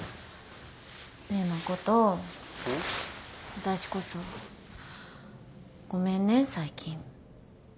あたしこそごめんね最近。